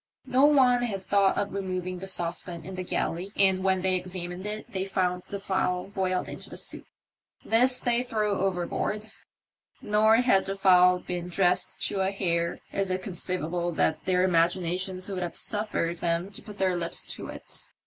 No one had thought of removing the saucepan in the galley, and when they examined it they found the fowl boiled into soup. This they threw overboard ; nor, had the fowl been dressed to a hair, is it conceivable that their imaginations would have suffered them to put their lips to it.